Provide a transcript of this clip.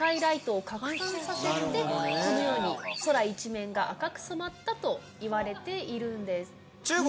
させてこのように空一面が赤く染まったといわれているんです。